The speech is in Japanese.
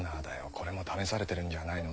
これも試されてるんじゃあないの？